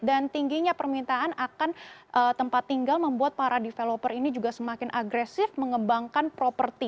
dan tingginya permintaan akan tempat tinggal membuat para developer ini juga semakin agresif mengembangkan properti